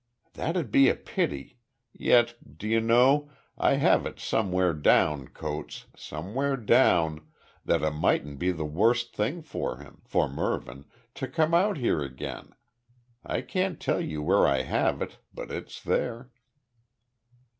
"That'd be a pity. Yet do you know. I have it somewhere down, Coates somewhere down that it mightn't be the worst thing for him for Mervyn to come out here again. I can't tell you where I have it, but it's there."